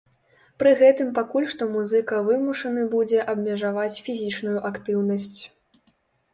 Пры гэтым пакуль што музыка вымушаны будзе абмежаваць фізічную актыўнасць.